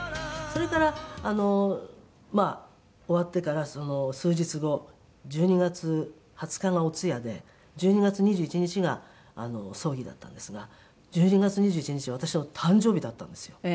それからまあ終わってから数日後１２月２０日がお通夜で１２月２１日が葬儀だったんですが１２月２１日私の誕生日だったんですよ。